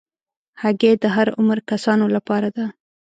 هګۍ د هر عمر کسانو لپاره ده.